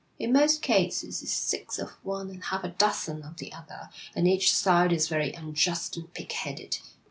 In most cases it's six of one and half a dozen of the other, and each side is very unjust and pig headed.